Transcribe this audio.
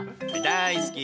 大好き。